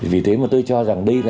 vì thế mà tôi cho rằng